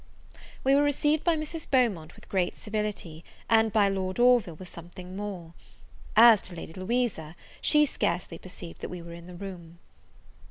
We were received by Mrs. Beaumont with great civility, and by Lord Orville with something more. As to Lady Louisa, she scarcely perceived that we were in the room.